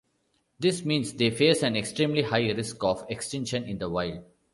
This means they face an extremely high risk of extinction in the wild.